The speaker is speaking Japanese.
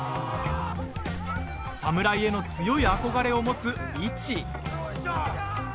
侍への強い憧れを持つイチ。